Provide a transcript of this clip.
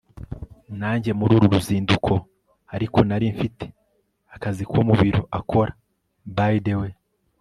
nanjye mururu ruzinduko ariko nari mfite akazi ko mubiro akora. by the way